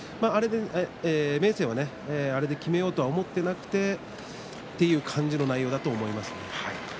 明生はあれできめようとは思っていなくてという感じの内容だと思います。